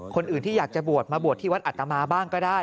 คนอื่นที่อยากจะบวชมาบวชที่วัดอัตมาบ้างก็ได้